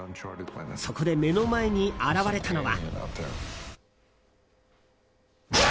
そこで目の前に現れたのは。